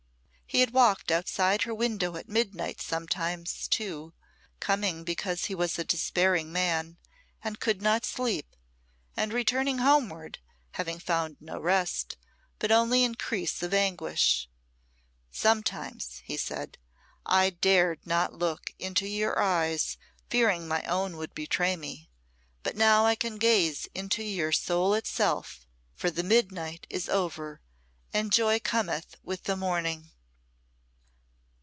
He had walked outside her window at midnight sometimes, too, coming because he was a despairing man, and could not sleep, and returning homeward, having found no rest, but only increase of anguish. "Sometimes," he said, "I dared not look into your eyes, fearing my own would betray me; but now I can gaze into your soul itself, for the midnight is over and joy cometh with the morning."